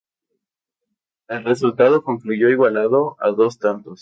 El resultado concluyó igualado a dos tantos.